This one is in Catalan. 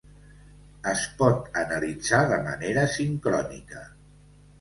Es pot analitzar de manera sincrònica.